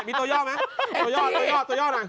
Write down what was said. มีตัวย่อมไหมตัวย่อน่ะ